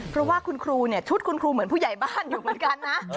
เพราะว่าคุณครูเนี่ยชุดคุณครูเหมือนผู้ใหญ่บ้านอยู่เหมือนกันนะ